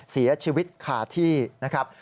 เสียชีวิตคาที่นะครับ